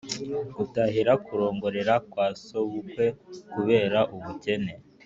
gutahira: kurongorera kwa sobukwe kubera ubukene